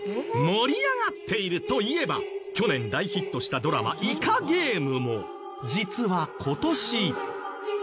盛り上がっているといえば去年大ヒットしたドラマ『イカゲーム』も実は今年。